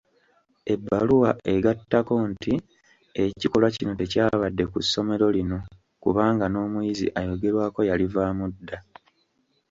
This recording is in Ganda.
Ebbaluwa egattako nti, ekikolwa kino tekyabadde ku ssomero lino kubanga n'omuyizi ayogerwako yalivaamu dda.